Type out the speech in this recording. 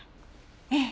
ええ。